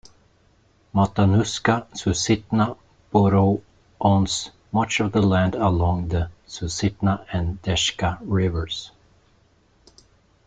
Matanuska-Susitna Borough owns much of the land along the Susitna and Deshka Rivers.